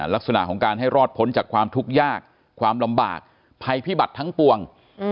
ลักษณะของการให้รอดพ้นจากความทุกข์ยากความลำบากภัยพิบัติทั้งปวง